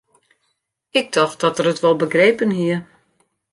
Ik tocht dat er it wol begrepen hie.